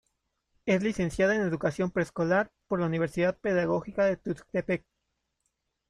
Es licenciada en Educación Preescolar por la Universidad Pedagógica de Tuxtepec.